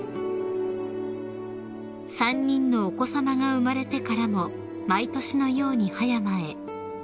［３人のお子さまが生まれてからも毎年のように葉山へ］